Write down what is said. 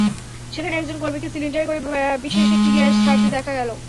সেখানে একজন কর্মীকে সিলিন্ডারে করে বিশেষ একটি গ্যাস ছাড়তে দেখা গেল।